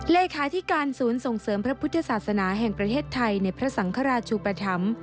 เลขาธิการศูนย์ส่งเสริมพระพุทธศาสนาแห่งประเทศไทยในพระสังฆราชุปธรรม